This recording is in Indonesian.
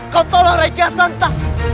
kau mau kemana